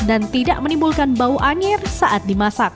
dan tidak menimbulkan bau anjir saat dimasak